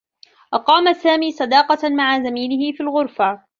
أقام سامي صداقة مع زميله في الغرفة.